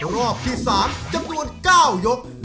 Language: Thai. รอบที่๓จำนวน๙ยก